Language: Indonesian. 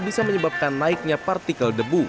bisa menyebabkan naiknya partikel debu